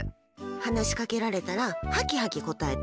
話しかけられたらハキハキ答えて。